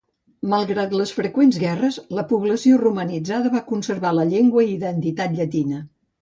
Malgrat les freqüents guerres, la població romanitzada va conservar la llengua i identitat llatina.